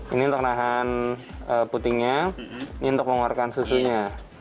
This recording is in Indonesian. ini untuk nahan putingnya ini untuk mengeluarkan susunya